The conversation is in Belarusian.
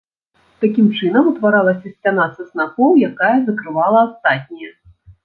Такім чынам утваралася сцяна са снапоў, якая закрывала астатнія.